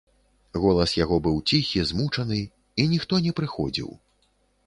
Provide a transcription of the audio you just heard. Голас яго быў ціхі, змучаны, і ніхто не прыходзіў.